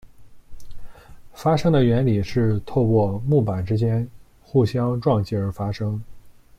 发声的原理是透过木板之间互相撞击而发声。